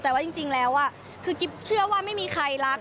แต่ว่าจริงแล้วคือกิ๊บเชื่อว่าไม่มีใครรัก